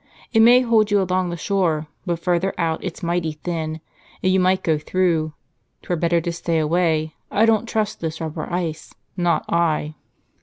* It may hold you along the shore, but further out it's mighty thin and you might go through. 'Twere better to stay away. I don't trust this rubber ice, not I